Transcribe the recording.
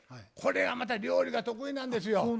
これがまた料理が得意なんですよ。